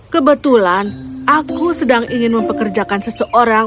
kebetulan aku sedang ingin mempekerjakan seseorang